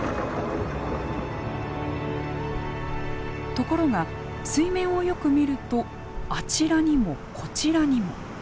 ところが水面をよく見るとあちらにもこちらにも。